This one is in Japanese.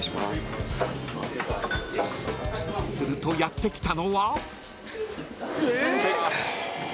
［するとやって来たのは］